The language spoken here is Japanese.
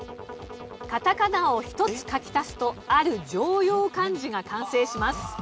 カタカナを１つ書き足すとある常用漢字が完成します。